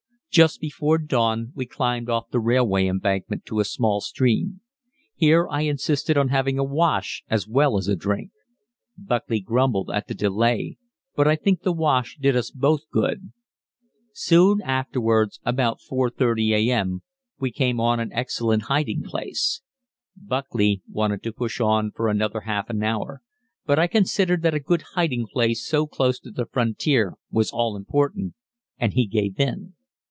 Just before dawn we climbed off the railway embankment to a small stream. Here I insisted on having a wash as well as a drink. Buckley grumbled at the delay, but I think the wash did us both good. Soon afterwards, about 4.30 a.m., we came on an excellent hiding place. Buckley wanted to push on for another half an hour, but I considered that a good hiding place so close to the frontier was all important, and he gave in.